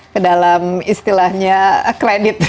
ke dalam istilahnya kredit